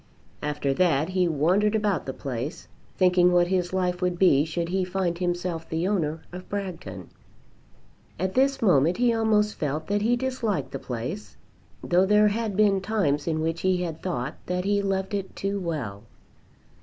After that he wandered about the place, thinking what his life would be should he find himself the owner of Bragton. At this moment he almost felt that he disliked the place, though there had been times in which he had thought that he loved it too well.